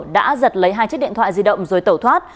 đã giật lấy hai chiếc điện thoại di động rồi tẩu thoát